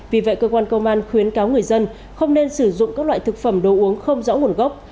vì vậy cơ quan công an khuyến cáo người dân không nên sử dụng các loại thực phẩm đồ uống không rõ nguồn gốc